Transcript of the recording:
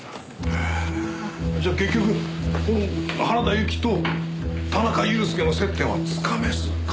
ええ？じゃあ結局原田由紀と田中裕介の接点はつかめずか。